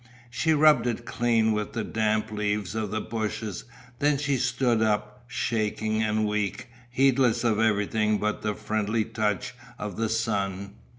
She rubbed it clean with the damp leaves of the bushes, then she stood up, shaking and weak, heedless of everything but the friendly touch of the sun.